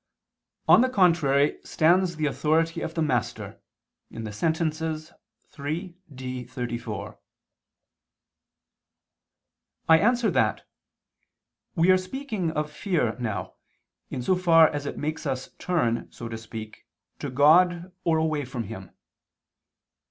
On the contrary stands the authority of the Master (Sent. iii, D, 34). I answer that, We are speaking of fear now, in so far as it makes us turn, so to speak, to God or away from Him.